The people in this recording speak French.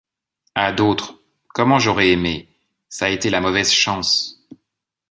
à d’autres: « Comme j’aurais aimé! ç’a été la mauvaise chance !